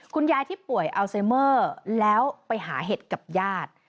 คุณยายที่ป่วยอัลไซเมอร์แล้วไปหาเห็ดกับญาติ